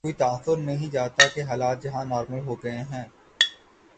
کوئی تاثر نہیں جاتا کہ حالات یہاں نارمل ہو گئے ہیں۔